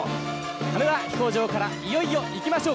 羽田飛行場からいよいよいきましょう。